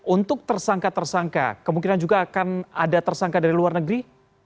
untuk tersangka tersangka kemungkinan juga akan ada tersangka dari luar negeri